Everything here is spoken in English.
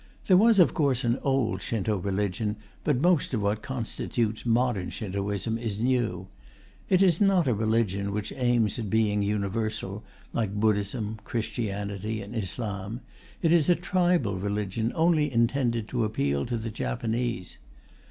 (There was of course an old Shinto religion, but most of what constitutes modern Shintoism is new.) It is not a religion which aims at being universal, like Buddhism, Christianity, and Islam; it is a tribal religion, only intended to appeal to the Japanese.